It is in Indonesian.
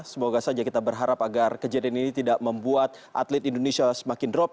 semoga saja kita berharap agar kejadian ini tidak membuat atlet indonesia semakin drop